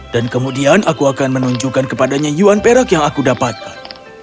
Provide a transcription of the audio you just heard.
dan kemudian aku akan menunjukkan kepadanya yuan perak yang aku dapatkan